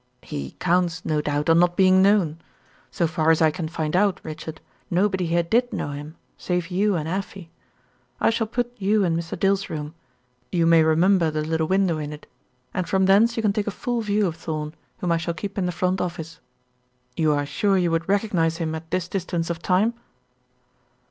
"He counts, no doubt, on not being known. So far as I can find out, Richard, nobody here did know him, save you and Afy. I shall put you in Mr. Dill's room you may remember the little window in it and from thence you can take a full view of Thorn, whom I shall keep in the front office. You are sure you would recognize him at this distance of time?"